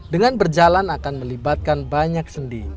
dengan berjalan akan melibatkan banyak sendi